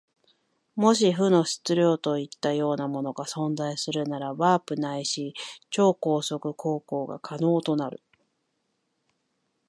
もし負の質量といったようなものが存在するなら、ワープないし超光速航法が可能となる。